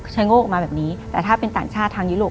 โงกออกมาแบบนี้แต่ถ้าเป็นต่างชาติทางยุโรป